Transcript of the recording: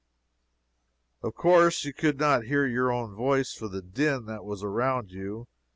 Of course you could not hear your own voice for the din that was around you.